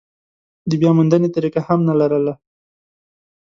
د بیاموندنې طریقه هم نه لرله.